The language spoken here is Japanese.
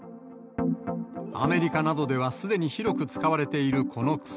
アメリカなどではすでに広く使われているこの薬。